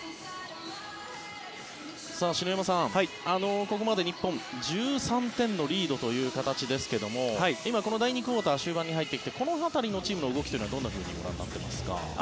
篠山さん、ここまで日本は１３点のリードという形ですが今、この第２クオーター終盤に入ってきてこの辺りのチームの動きというのはどんなふうにご覧になっていますか？